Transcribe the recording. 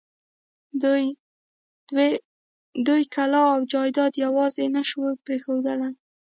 دوی کلا او جايداد يواځې نه شوی پرېښودلای.